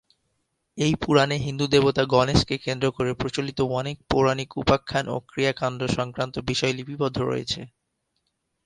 এই পুরাণে হিন্দু দেবতা গণেশকে কেন্দ্র করে প্রচলিত অনেক পৌরাণিক উপাখ্যান ও ক্রিয়াকাণ্ড-সংক্রান্ত বিষয় লিপিবদ্ধ রয়েছে।